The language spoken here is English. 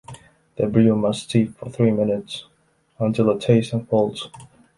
The brew must steep for three minutes, until the taste unfolds.